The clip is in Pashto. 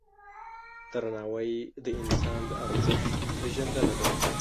درناوی د انسان د ارزښت پیژندنه ده.